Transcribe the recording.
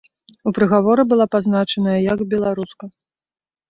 У прыгаворы была пазначаная як беларуска.